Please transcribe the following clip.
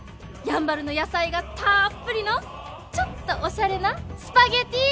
やんばるの野菜がたっぷりのちょっとおしゃれなスパゲッティ！